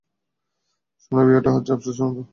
সোনা, বিয়েটা হচ্ছে আপসের ব্যপার।